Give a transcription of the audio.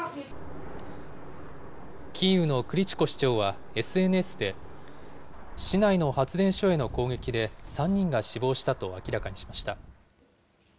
キーウのクリチコ市長はＳＮＳで、市内の発電所への攻撃で３人が死亡したと明らかにしました。